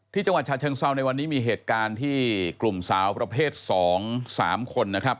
ที่จังหวัดฉันเชิงเศร้าในวันนี้มีเหตุการณ์ที่กลุ่มสาวประเภทสองสามคนนะครับ